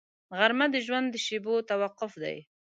غرمه د ژوند د شېبو توقف دی